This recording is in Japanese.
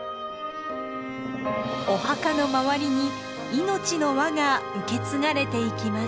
お墓の周りに命の輪が受け継がれていきます。